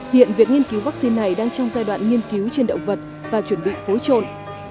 hiện việc nghiên cứu vaccine này đang trong giai đoạn nghiên cứu trên động vật và chuẩn bị phối trộn